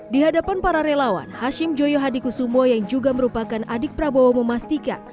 di hadapan para relawan hashim joyo hadikusumo yang juga merupakan adik prabowo memastikan